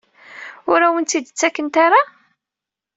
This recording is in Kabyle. Ur awen-tt-id-ttakent ara?